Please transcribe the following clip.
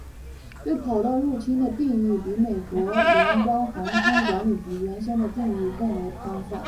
对跑道入侵的定义比美国联邦航空管理局原先的定义更为宽泛。